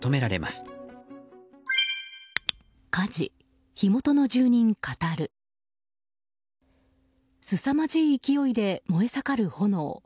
すさまじい勢いで燃え盛る炎。